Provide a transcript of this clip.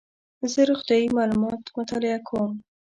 زه روغتیایي معلومات مطالعه کوم.